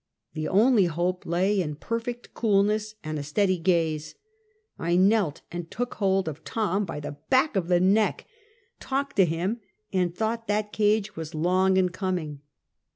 The only hope lay in perfect coolness and a steady gaze. I knelt and took hold of Tom by the back of the neck, talked to him and thought that cage was long in coming.